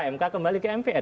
mk kembali ke mpr